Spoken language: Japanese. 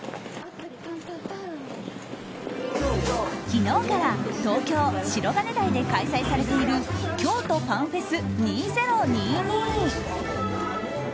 昨日から東京・白金台で開催されている「京都パンフェス２０２２」。